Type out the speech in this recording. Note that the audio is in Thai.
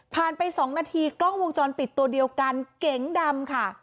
ไป๒นาทีกล้องวงจรปิดตัวเดียวกันเก๋งดำค่ะ